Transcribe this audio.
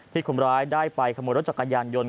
คนร้ายได้ไปขโมยรถจักรยานยนต์